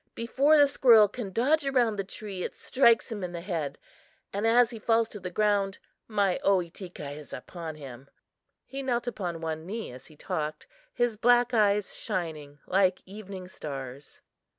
Before the squirrel can dodge around the tree it strikes him in the head, and, as he falls to the ground, my Ohitika is upon him." He knelt upon one knee as he talked, his black eyes shining like evening stars.